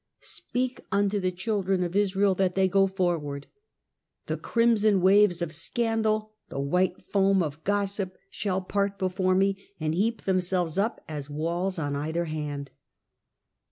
' Speak unto the children of Israel that they go forward,' The crimson waves of scandal, the white foam of gossip, shall part before me and heap themselves up as walls on either hand."